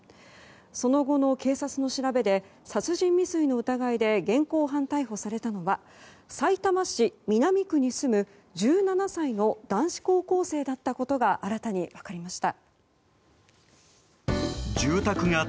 その後の警察の調べで殺人未遂の疑いで現行犯逮捕されたのはさいたま市南区に住む１７歳の男子高校生だったことが新たに分かりました。